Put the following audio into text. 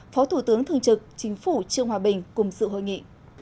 phó thủ tướng thường trực chính phủ trương hòa bình cùng sự hội nghị